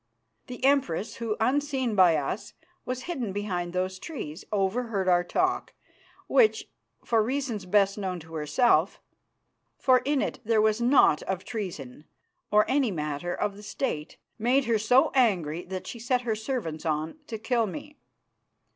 The Empress, who, unseen by us, was hidden behind those trees, overheard our talk, which, for reasons best known to herself, for in it there was naught of treason or any matter of the State, made her so angry that she set her servants on to kill me.